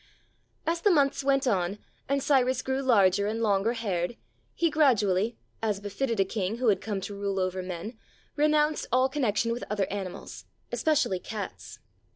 »,. As the months went on and Cyrus grew larger and longer haired, he gradually, as befitted a king who had come to rule over men, renounced all con nexion with other animals, especially cats.